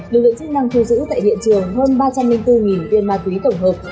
lực lượng chức năng thu giữ tại hiện trường hơn ba trăm linh bốn viên ma túy tổng hợp